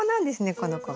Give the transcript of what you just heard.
この子は。